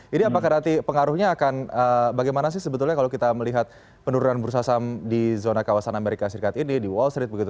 jadi apakah nanti pengaruhnya akan bagaimana sih sebetulnya kalau kita melihat penurunan bursa saham di zona kawasan amerika serikat ini di wall street begitu